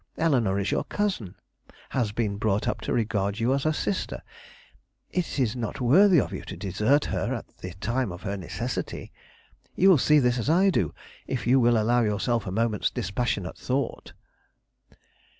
Eleanore is your cousin; has been brought up to regard you as a sister; it is not worthy of you to desert her at the time of her necessity. You will see this as I do, if you will allow yourself a moment's dispassionate thought."